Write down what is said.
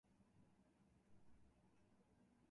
ただ、僕が答える前にねえと君は言った